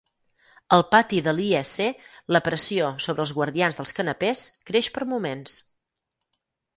Al pati de l'IEC la pressió sobre els guardians dels canapès creix per moments.